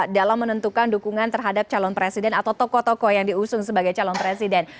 dalam menentukan dukungan terhadap calon presiden atau tokoh tokoh yang diusung sebagai calon presiden